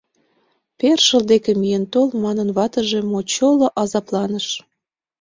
Першыл деке миен тол, — манын, ватыже мочоло азапланыш.